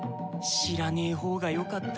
知らねぇ方がよかった。